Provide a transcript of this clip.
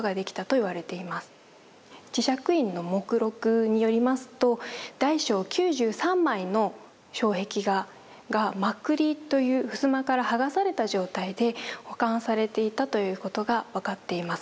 智積院の目録によりますと大小９３枚の障壁画が「まくり」という襖から剥がされた状態で保管されていたということが分かっています。